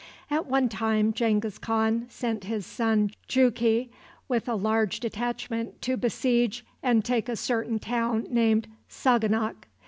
At one time Genghis Khan sent his son Jughi with a large detachment to besiege and take a certain town named Saganak.